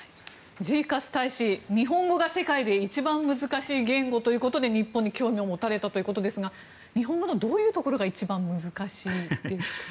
ジーカス大使日本語が世界で一番難しい言語ということで日本に興味を持たれたということですが日本語のどういうところが一番難しいですか？